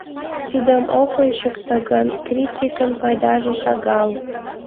Тидым ок ончыкто гын, критикын пайдаже шагал.